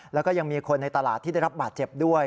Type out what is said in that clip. แล้วก็ยังมีคนในตลาดที่ได้รับบาดเจ็บด้วย